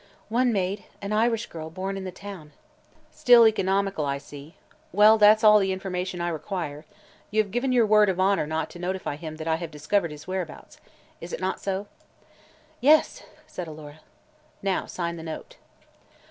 "One maid, an Irish girl born in the town." "Still economical, I see. Well, that's all the information I require. You have given your word of honor not to notify him that I have discovered his whereabouts. Is it not so?" "Yes," said Alora. "Now sign the note."